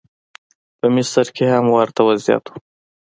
په مصر کې هم ورته وضعیت و.